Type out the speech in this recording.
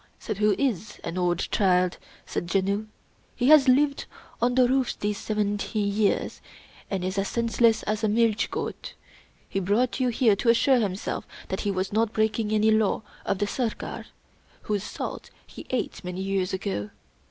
" Suddhoo is an old child," said Janoo. " He has lived on the roofs these seventy years and is as senseless as a milch goat. He brought you here to assure himself that he was not breaking any law of the Sirkar, whose salt he ate many years ago.